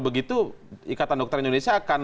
begitu ikatan dokter indonesia akan